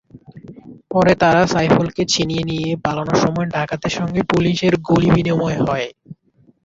পরে তাঁরা সাইফুলকে ছিনিয়ে নিয়ে পালানোর সময় ডাকাতের সঙ্গে পুলিশের গুলিবিনিময় হয়।